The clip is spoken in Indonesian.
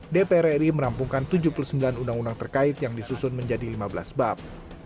dpr ri merampungkan tujuh puluh sembilan undang undang terkait yang disusun menjadi lima belas bab